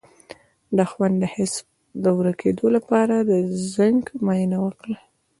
د خوند د حس د ورکیدو لپاره د زنک معاینه وکړئ